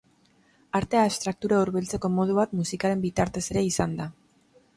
Arte abstraktura hurbiltzeko modu bat musikaren bitartez ere izan da.